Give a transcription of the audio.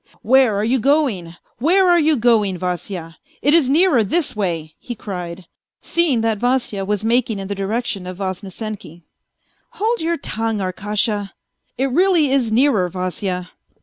" Where are you going, where are you going, Vasya ? It is nearer this way," he cried, seeing that Vasya was making in the direction of Voznesenky. " Hold your tongue, Ar kasha." " It really is nearer, Vasya."